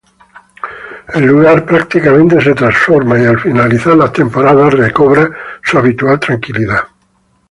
El lugar prácticamente se transforma, y al finalizar las temporadas recobra su habitual tranquilidad.